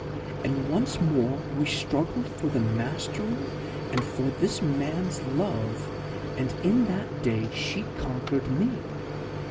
And once more we struggled for the mastery and for this man's love, and in that day she conquered me.